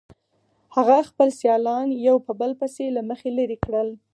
هغه خپل سیالان یو په بل پسې له مخې لرې کړل